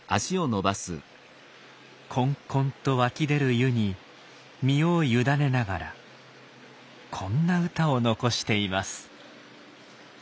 こんこんと湧き出る湯に身を委ねながらこんな歌を残しています。